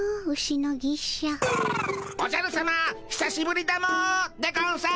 おじゃるさまひさしぶりだモでゴンス。